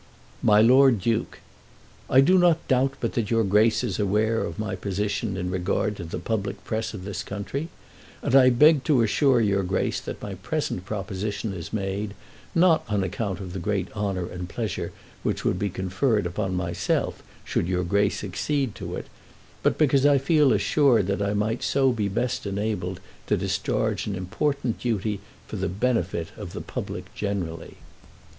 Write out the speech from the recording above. MY LORD DUKE, I do not doubt but that your Grace is aware of my position in regard to the public press of the country, and I beg to assure your Grace that my present proposition is made, not on account of the great honour and pleasure which would be conferred upon myself should your Grace accede to it, but because I feel assured that I might so be best enabled to discharge an important duty for the benefit of the public generally.